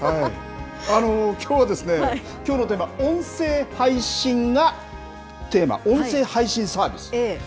あの、きょうは、きょうのテーマ、音声配信がテーマ、音声配信サービス。